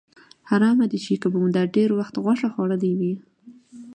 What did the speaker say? حرامه دې شي که به مو دا ډېر وخت غوښه خوړلې وي.